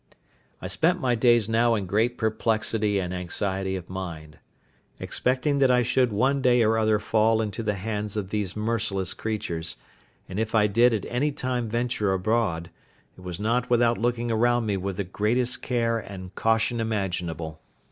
I spent my days now in great perplexity and anxiety of mind, expecting that I should one day or other fall into the hands of these merciless creatures; and if I did at any time venture abroad, it was not without looking around me with the greatest care and caution imaginable.